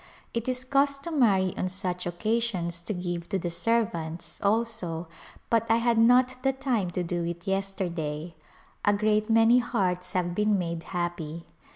It is customary on such occasions to give to the servants also but I had not the time to do it yesterday. A great many hearts have been made happy.